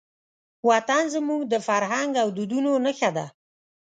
وطن زموږ د فرهنګ او دودونو نښه ده.